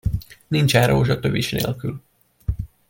Nincsen rózsa tövis nélkül.